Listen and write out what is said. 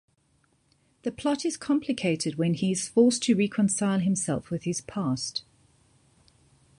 The plot is complicated when he is forced to reconcile himself with his past.